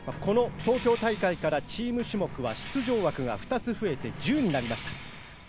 東京大会からチーム種目は出場枠が２つ増えて１０になりました。